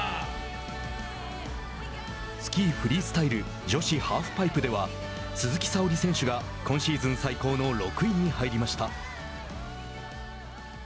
スキーフリースタイル女子ハーフパイプでは鈴木沙織選手が今シーズン最高の６位に入りました。